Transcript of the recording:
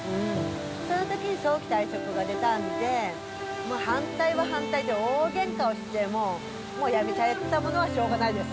そのときに早期退職が出たんで、反対は反対で大げんかをして、もう辞めちゃったものはしょうがないです。